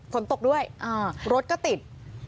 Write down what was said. ฝนตกด้วยรถก็ติด